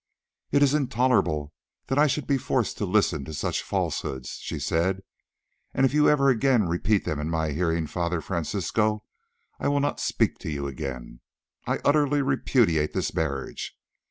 "It is intolerable that I should be forced to listen to such falsehoods," she said, "and if you ever repeat them in my hearing, Father Francisco, I will not speak to you again. I utterly repudiate this marriage.